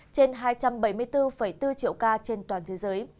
trên hai trăm bảy mươi bốn bốn triệu ca trên toàn thế giới